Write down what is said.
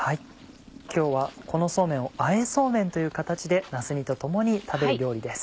今日はこのそうめんをあえそうめんという形でなす煮と共に食べる料理です。